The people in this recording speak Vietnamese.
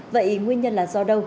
vậy nguyên nhân là do đâu